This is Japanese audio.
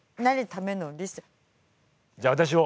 じゃあ私も。